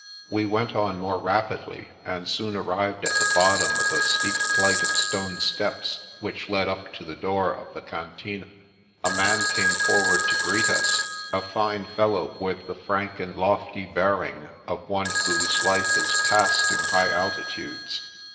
We went on more rapidly, and soon arrived at the bottcHn of a steep flight of stone steps which led up to the door of the Cantine. A man came forward to greet us — a fine fellow, with the frank and lofty bearing of one whose life is passed in high altitudes.